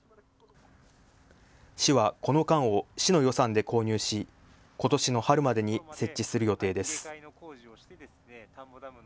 市はこの管を市の予算で購入しことしの春までに設置する予定です。